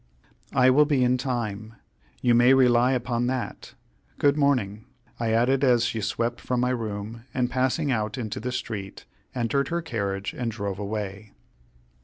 "I will be in time. You may rely upon that. Good morning," I added, as she swept from my room, and, passing out into the street, entered her carriage and drove away.